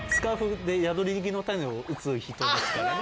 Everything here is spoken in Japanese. やどりぎのタネを打つ人ですからね。